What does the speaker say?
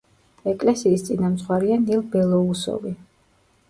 ეკლესიის წინამძღვარია ნილ ბელოუსოვი.